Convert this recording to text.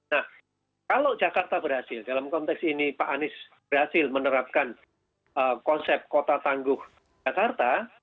nah kalau jakarta berhasil dalam konteks ini pak anies berhasil menerapkan konsep kota tangguh jakarta